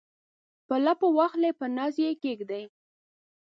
په لپو واخلي په ناز یې کښیږدي